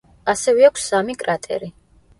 ასევე აქვს სამი კრატერი.